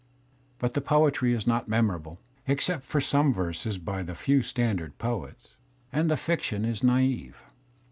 But the poetry is not memorable, except for some verses by the few standard poets. And the fiction is naive.